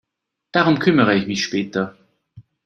Darum kümmere ich mich später.